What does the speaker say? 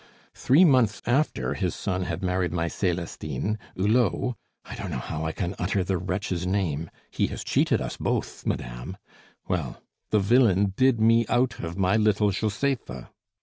Three months after his son had married my Celestine, Hulot I don't know how I can utter the wretch's name! he has cheated us both, madame well, the villain did me out of my little Josepha.